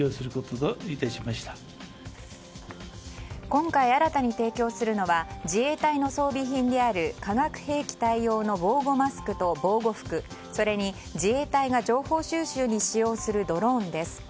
今回、新たに提供するのは自衛隊の装備品である化学兵器対応の防護マスクと防護服、それに自衛隊が情報収集に使用するドローンです。